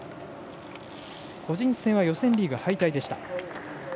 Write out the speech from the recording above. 個人戦は予選リーグ敗退でした。